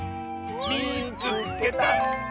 「みいつけた！」。